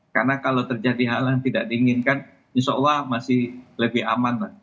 karena kalau terjadi hal yang tidak diinginkan insya allah masih lebih aman lah